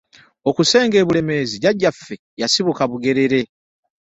Okusenga e Bulemeezi jjajjaffe yasibuka Bugerere.